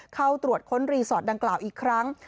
เข้าตรวจค้นรีสอร์ทดังกล่าวอีกครั้ง